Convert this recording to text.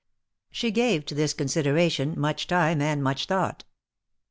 She gave to this consideration much time and much thought.